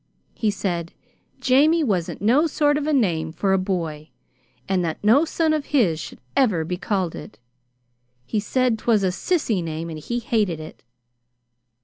He said 'Jamie' wasn't no sort of a name for a boy, and that no son of his should ever be called it. He said 'twas a sissy name, and he hated it.